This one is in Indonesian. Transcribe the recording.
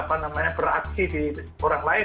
aksi di orang lain